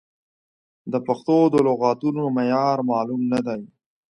د پښتو د لغتونو معیار معلوم نه دی.